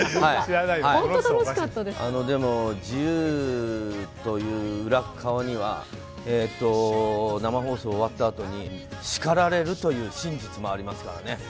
でも自由という裏側には生放送終わったあとに叱られるという真実もありますからね。